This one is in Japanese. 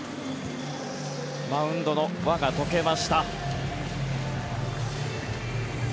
マウンドの輪が解けました。